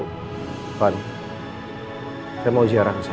itu bertepatan dengan hari kepergian mama kamu